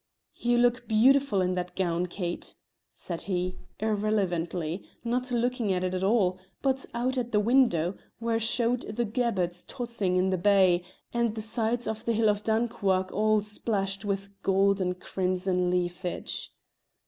"You look beautiful in that gown, Kate," said he, irrelevantly, not looking at it at all, but out at the window, where showed the gabbarts tossing in the bay, and the sides of the hill of Dunchuach all splashed with gold and crimson leafage.